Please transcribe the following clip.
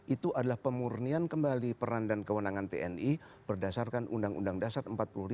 itu adalah pemurnian kembali peran dan kewenangan tni berdasarkan undang undang dasar empat puluh lima